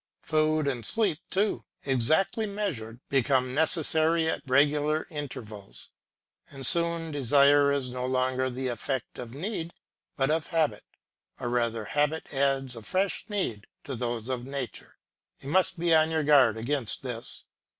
Food and sleep, too, exactly measured, become necessary at regular intervals, and soon desire is no longer the effect of need, but of habit, or rather habit adds a fresh need to those of nature. You must be on your guard against this.